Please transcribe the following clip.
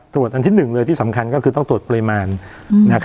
อันที่๑เลยที่สำคัญก็คือต้องตรวจปริมาณ